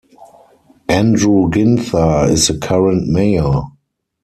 Andrew Ginther is the current mayor.